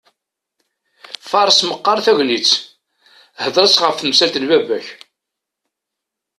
Faṛes meqqaṛ tagnitt, hḍeṛ-as ɣef temsalt n baba-k!